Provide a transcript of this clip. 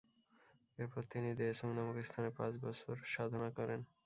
এরপর তিনি দ্ব্যে-ছুং নামক স্থানে পাঁচ বছর সাধনা করেন।